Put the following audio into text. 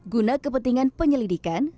guna kepentingan penyelidikan